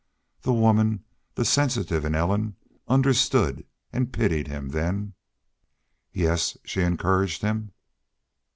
The woman, the sensitive in Ellen, understood and pitied him then. "Yes," she encouraged him.